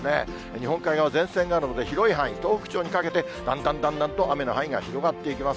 日本海側、前線があるので、広い範囲、東北地方にかけて、だんだんだんだんと雨の範囲が広がっていきます。